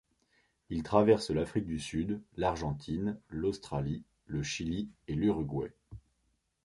Il traverse l'Afrique du Sud, l'Argentine, l'Australie, le Chili et l'Uruguay.